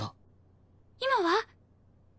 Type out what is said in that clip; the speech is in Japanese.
今は？